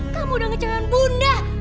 kamu udah ngecewakan bunda